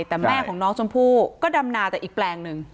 แต่แม่ของน้องชมพู่ก็ดำนาแต่อีกแปลงหนึ่ง